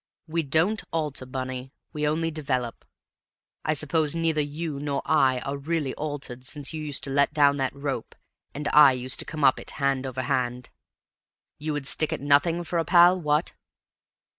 We don't alter, Bunny. We only develop. I suppose neither you nor I are really altered since you used to let down that rope and I used to come up it hand over hand. You would stick at nothing for a pal what?"